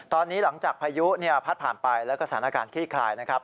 ตอนนี้หลังจากพายุพัดผ่านไปแล้วก็สถานการณ์คลี่คลายนะครับ